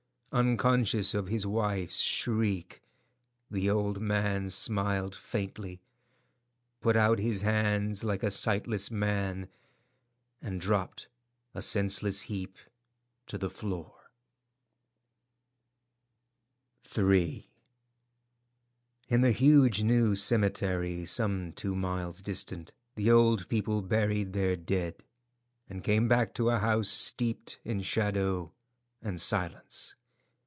Unconscious of his wife's shriek, the old man smiled faintly, put out his hands like a sightless man, and dropped, a senseless heap, to the floor. III. In the huge new cemetery, some two miles distant, the old people buried their dead, and came back to a house steeped in shadow and silence.